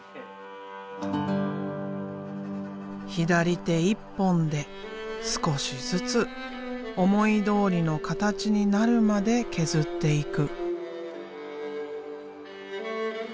左手一本で少しずつ思いどおりの形になるまで削っていく。